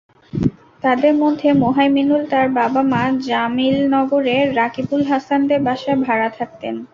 তাঁদের মধ্যে মোহাইমিনুল তাঁর বাবা-মা জামিলনগরে রাকিবুল হাসানদের বাসায় ভাড়া থাকতেন।